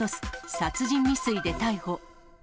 殺人未遂で逮捕。